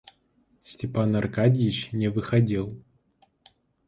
Степан Аркадьич не выходил.